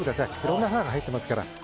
いろんな花が入ってますから。